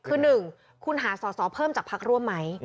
คือ๑คุณหาสอสอเพิ่มจากพักร่วมไหม